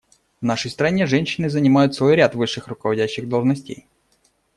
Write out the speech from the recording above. В нашей стране женщины занимают целый ряд высших руководящих должностей.